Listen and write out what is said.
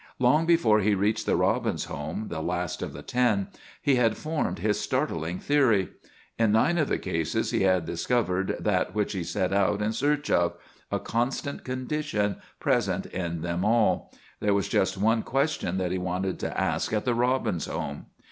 Long before he reached the Robbins home, the last of the ten, he had formed his startling theory. In nine of the cases he had discovered that which he set out in search of: a constant condition present in them all. There was just one question that he wanted to ask at the Robbins home.